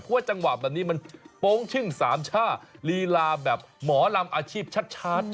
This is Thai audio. เพราะว่าจังหวะแบบนี้มันโป๊งชึ่งสามช่าลีลาแบบหมอลำอาชีพชัด